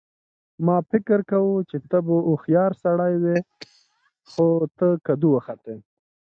ما فکر کاوه چې ته به هوښیار سړی یې خو ته کدو وختې